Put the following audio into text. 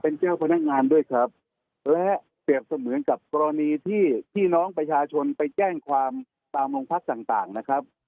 เป็นเจ้าพนักงานด้วยครับและเปรียบเสมือนกับกรณีที่พี่น้องประชาชนไปแจ้งความตามโรงพักต่างต่างนะครับ